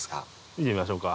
見てみましょうか。